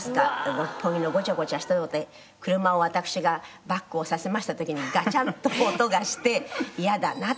六本木のごちゃごちゃしたとこで車を私がバックをさせました時にガチャンと音がして嫌だなって思って。